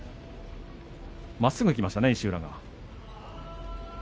まっすぐいきましたか、石浦は。